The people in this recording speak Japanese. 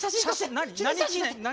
何？